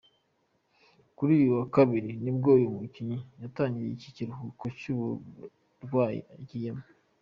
Kuri uyu wa kabiri, nibwo uyu mukinnyi yatangiye iki kiruhuko cy’uburwayi agiyemo.